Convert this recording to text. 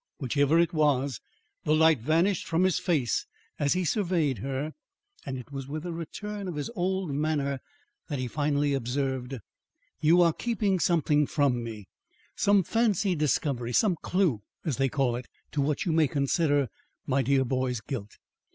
Whichever it was, the light vanished from his face as he surveyed her and it was with a return of his old manner, that he finally observed: "You are keeping something from me some fancied discovery some clew, as they call it, to what you may consider my dear boy's guilt."